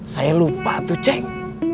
saya lupa tuh ceng